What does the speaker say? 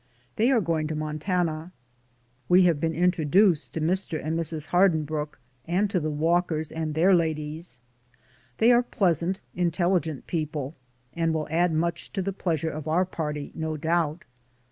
They are going to Montana. We have been in troduced to Mr. and Mrs. Hardinbrooke, and to the Walkers and their ladies. They are pleasant, intelligent people, and will add much to the pleasure of our party, no doubt.